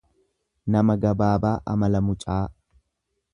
Nama gabaabaa amala mucaa.